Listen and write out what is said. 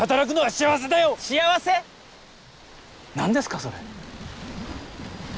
何ですかそれ。